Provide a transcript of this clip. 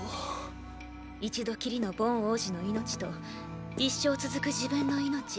一度きりのボン王子の命と一生続く自分の命。